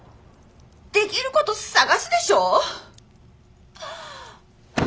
できること探すでしょ？